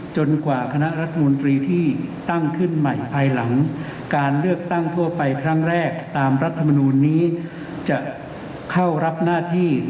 กว่าคณะรัฐมนตรีที่ตั้งขึ้นใหม่ภายหลังการเลือกตั้งทั่วไปครั้งแรกตามรัฐมนูลนี้จะเข้ารับหน้าที่